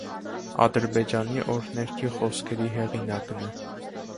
Ադրբեջանի օրհներգի խոսքերի հեղինակն է։